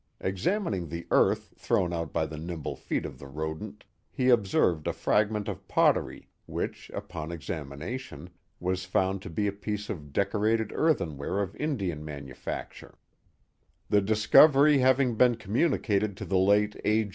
Examining the earth thrown out by the nimble feet of the rodent, he observed a fragment of pottery, which, upon examination, was found to be a piece of decorated earthenware of Indian manufacture. The Mohawks 9 The discovery having been communicated to the late A.